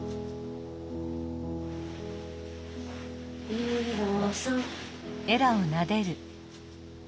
エラさん。